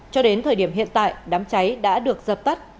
cho đến thời điểm hiện tại đám cháy đã được dập tắt